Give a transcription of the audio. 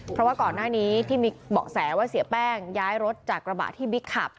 เพราะว่าก่อนหน้านี้ที่มีเบาะแสว่าเสียแป้งย้ายรถจากกระบะที่บิ๊กขับ